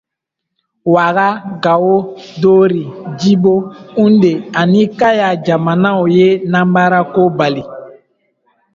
Ouaga, Gao, Dori, Djibo, Houndé ani Kaya jamanaw ye nanbarako bali.